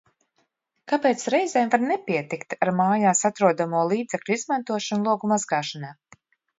Kāpēc reizēm var nepietikt ar mājās atrodamo līdzekļu izmantošanu logu mazgāšanā?